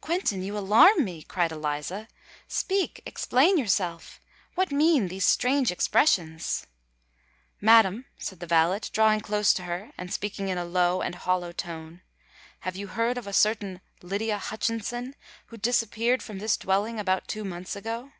"Quentin, you alarm me!" cried Eliza. "Speak—explain yourself! What mean these strange expressions?" "Madam," said the valet, drawing close to her, and speaking in a low and hollow tone, "have you heard of a certain Lydia Hutchinson, who disappeared from this dwelling about two months ago?"